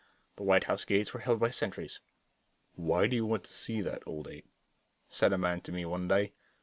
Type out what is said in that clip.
The White House gates were held by sentries. "Why do you want to see that old Ape?" said a man to me one day.